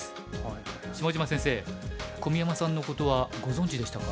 下島先生小宮山さんのことはご存じでしたか？